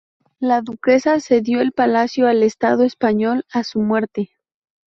La duquesa cedió el palacio al Estado español a su muerte.